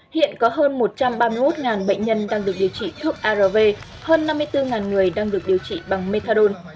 hiện có hơn một trăm ba mươi một bệnh nhân đang được điều trị thuốc arv hơn năm mươi bốn người đang được điều trị bằng methadone